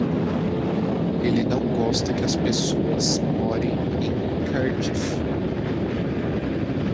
Ele não gosta que as pessoas morem em Cardiff.